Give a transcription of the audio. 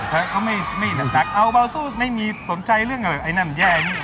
ก็ไม่หนักเอาเบาสู้ไม่มีสนใจเรื่องอะไรไอ้นั่นแย่นี่